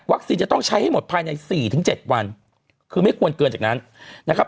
จะต้องใช้ให้หมดภายใน๔๗วันคือไม่ควรเกินจากนั้นนะครับ